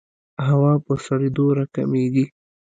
هوا په سړېدو راکمېږي.